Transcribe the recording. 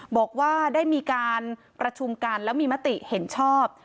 บอกว่าได้มีการประชุมกันแล้วมีมติเห็นชอบ